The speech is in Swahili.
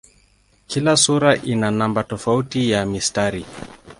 Kila sura ina namba tofauti ya mistari.